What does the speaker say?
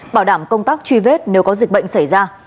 bảo đảm công tác truy vết nếu có dịch bệnh xảy ra